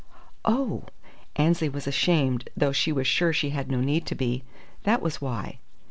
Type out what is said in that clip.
"Oh!" Annesley was ashamed, though she was sure she had no need to be. "That was why!"